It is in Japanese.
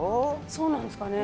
そうなんですかね。